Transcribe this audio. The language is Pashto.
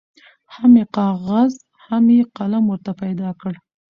هم کاغذ هم یې قلم ورته پیدا کړ